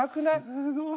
すごい！